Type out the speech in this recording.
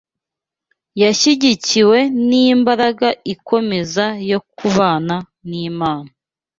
yashyigikiwe n’imbaraga ikomeza yo kubana n’Imana